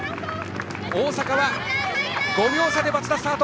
大阪は５秒差で松田がスタート。